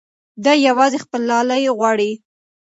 دی یوازې خپل لالی غواړي.